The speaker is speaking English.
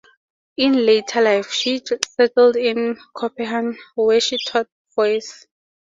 In later life she settled in Copenhagen where she taught voice.